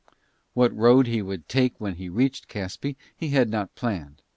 What road he would take when he reached Caspe he had not planned.